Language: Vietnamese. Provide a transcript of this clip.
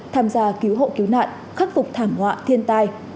tham gia cứu hộ cứu nạn khắc phục thảm họa thiên tai